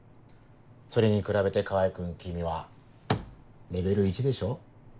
それに比べて川合君君はレベル１でしょ？